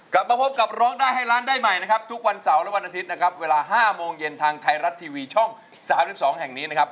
กลับมาพบกับร้องได้ให้ล้านได้ใหม่นะครับทุกวันเสาร์และวันอาทิตย์นะครับเวลา๕โมงเย็นทางไทยรัฐทีวีช่อง๓๒แห่งนี้นะครับ